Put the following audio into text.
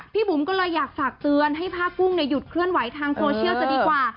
บุ๋มก็เลยอยากฝากเตือนให้ผ้ากุ้งหยุดเคลื่อนไหวทางโซเชียลจะดีกว่า